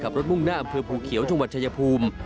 มุ่งหน้าอำเภอภูเขียวจังหวัดชายภูมิ